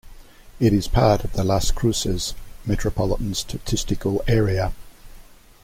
It is part of the Las Cruces Metropolitan Statistical Area.